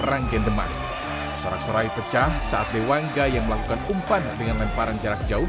ranggen demak sorak sorai pecah saat dewangga yang melakukan umpan dengan lemparan jarak jauh